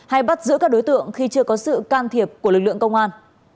hay bắt giữ các đối tượng khi chưa có sự can thiệp của lực lượng công an